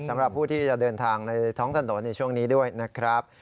สำหรับผู้ที่จะเดินทางในท้องถนนในช่วงนี้ด้วยนะครับ